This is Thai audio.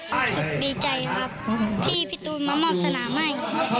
รู้สึกดีใจครับที่พี่ตูนมามอบสนามให้